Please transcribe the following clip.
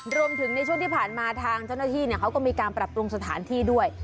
ในช่วงที่ผ่านมาทางเจ้าหน้าที่เขาก็มีการปรับปรุงสถานที่ด้วย